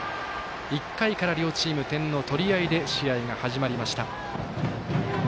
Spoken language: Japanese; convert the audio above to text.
１回から両チーム点の取り合いで試合が始まりました。